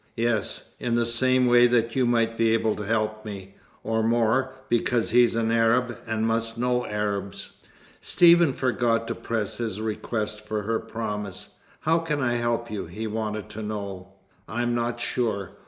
"Yes, in the same way that you might be able to help me or more, because he's an Arab, and must know Arabs." Stephen forgot to press his request for her promise. "How can I help you?" he wanted to know. "I'm not sure.